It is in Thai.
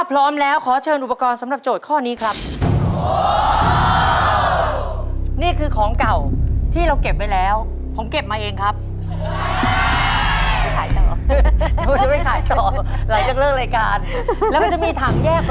พลาสติกใสใหญ่